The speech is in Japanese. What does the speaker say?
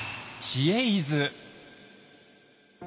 「知恵泉」。